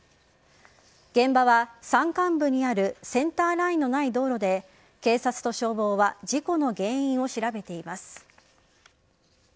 現場は山間部にあるセンターラインのない道路で警察と消防は事故の原因を調べています。